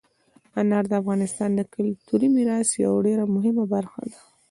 انار د افغانستان د کلتوري میراث یوه ډېره مهمه برخه ده.